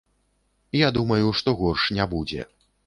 Я думаю, што горш не будзе.